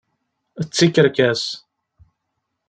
D tikerkas.